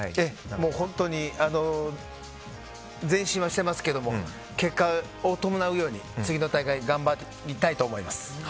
本当に前進はしていますけど結果を伴うように次の大会頑張りたいと思います。